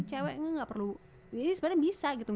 cewek gak perlu jadi sebenarnya bisa gitu